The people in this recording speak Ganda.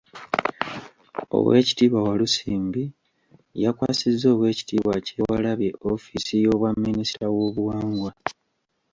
Oweekitiibwa Walusimbi yakwasizza Oweekitiibwa Kyewalabye ofiisi y’obwa minisita w’Obuwangwa.